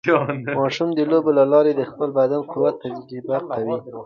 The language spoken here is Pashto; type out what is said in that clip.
ماشومان د لوبو له لارې د خپل بدن قوت تجربه کوي.